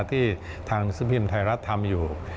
ที่ทางซุปินไทยรัฐทำอยู่